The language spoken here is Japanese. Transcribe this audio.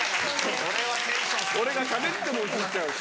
俺がしゃべっても映っちゃうし。